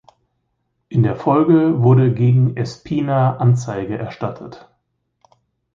In der Folge wurde gegen Espina Anzeige erstattet.